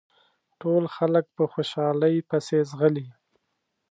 ټول خلک په خوشحالۍ پسې ځغلي.